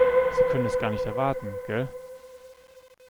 Sie können es gar nicht erwarten, gell?